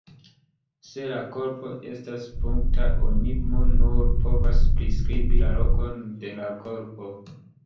Se la korpo estas punkta, oni nur povas priskribi la lokon de la korpo.